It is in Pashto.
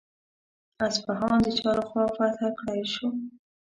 اصفهان د چا له خوا فتح کړای شو؟